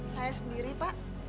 saya sendiri pak